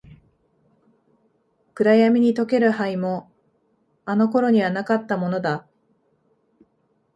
暗闇に溶ける灰も、あの頃にはなかったものだ。